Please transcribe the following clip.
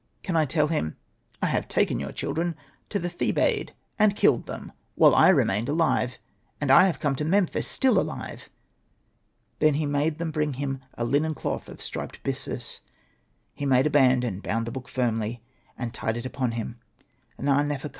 Can I tell him, ''I have taken your children to the Thebaid, and killed them, while I remained alive, and I have come to Memphis still alive ''?' Then he made them bring him a linen cloth of striped byssus ; he made a band, and bound the book firmly, and tied it upon him. Na.nefer.